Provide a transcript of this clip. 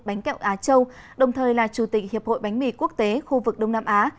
bánh kẹo á châu đồng thời là chủ tịch hiệp hội bánh mì quốc tế khu vực đông nam á